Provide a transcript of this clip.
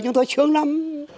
chúng tôi sướng lắm